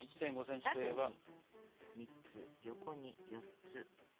縦に３つ横に４つ。